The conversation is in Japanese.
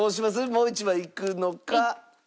もう１枚いくのか。